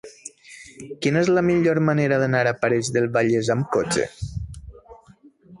Quina és la millor manera d'anar a Parets del Vallès amb cotxe?